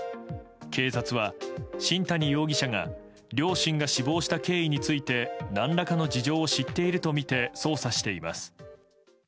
警察は新谷容疑者が両親が死亡した経緯について何らかの事情を知っているとみて捜査しています。